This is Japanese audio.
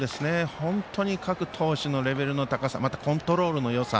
本当に各投手のレベルの高さまた、コントロールのよさ。